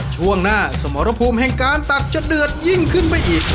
ช่วงหน้าสมรภูมิแห่งการตักจะเดือดยิ่งขึ้นไปอีก